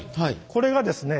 これがですね。